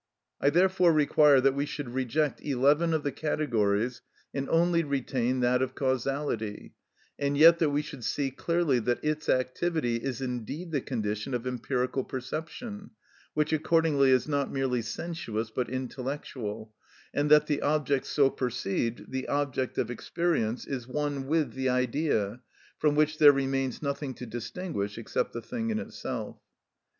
I therefore require that we should reject eleven of the categories, and only retain that of causality, and yet that we should see clearly that its activity is indeed the condition of empirical perception, which accordingly is not merely sensuous but intellectual, and that the object so perceived, the object of experience, is one with the idea, from which there remains nothing to distinguish except the thing in itself.